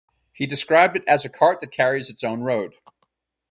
He described it as a "cart that carries its own road".